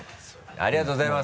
ありがとうございます。